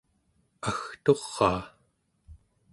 agturaa